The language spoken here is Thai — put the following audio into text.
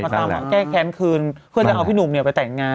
ตามมาแก้แค้นคืนเพื่อจะเอาพี่หนุ่มไปแต่งงาน